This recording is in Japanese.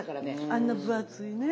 あんな分厚いね。